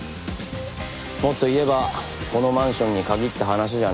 もっと言えばこのマンションに限った話じゃない。